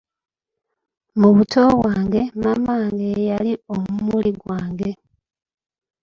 Mu buto bwange, maama wange ye yali omumuli gwange.